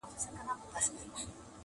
زلزله به یې په کور کي د دښمن سي٫